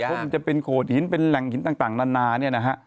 เพราะมันจะเป็นโขดหินเป็นแหล่งหินต่างนาน